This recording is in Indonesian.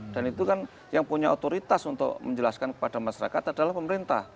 dan itu kan yang punya otoritas untuk menjelaskan kepada masyarakat adalah pemerintah